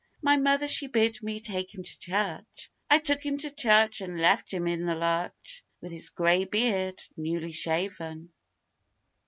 My mother she bid me take him to church: I took him to church, And left him in the lurch; With his grey beard newly shaven.